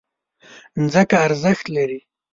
ځمکه ارزښت لري.